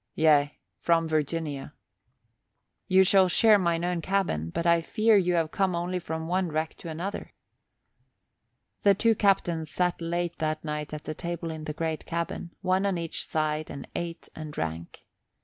"Yea, from Virginia." "You shall share mine own cabin but I fear you have come only from one wreck to another." The two captains sat late that night at the table in the great cabin, one on each side, and ate and drank.